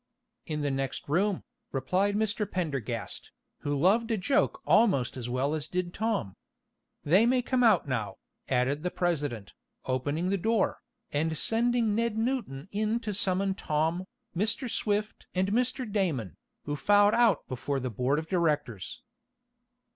"In the next room," replied Mr. Pendergast, who loved a joke almost as well as did Tom. "They may come out now," added the president, opening the door, and sending Ned Newton in to summon Tom, Mr. Swift and Mr. Damon, who filed out before the board of directors.